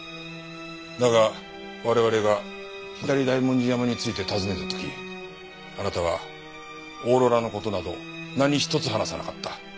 だが我々が左大文字山について尋ねた時あなたはオーロラの事など何一つ話さなかった。